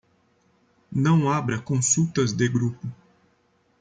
Não abra consultas de grupo